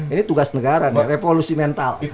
ini tugas negara nih revolusi mental